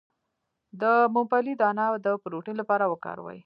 د ممپلی دانه د پروتین لپاره وکاروئ